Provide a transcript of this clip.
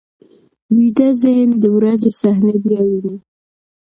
ویده ذهن د ورځې صحنې بیا ویني